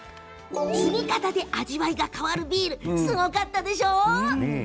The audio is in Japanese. つぎ方で味わいが変わるビールすごかったでしょう？